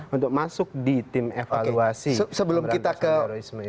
untuk masuk di tim evaluasi pemberantasan terorisme